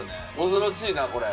恐ろしいなこれ。